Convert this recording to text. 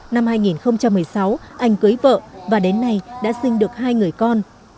năm hai nghìn một mươi sáu anh cưới vợ và đến nay đã sinh được hai người con